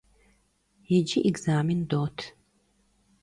Yicı ekzamên dot.